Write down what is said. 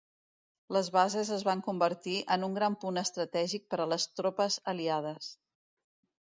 Les bases es van convertir en un gran punt estratègic per a les tropes Aliades.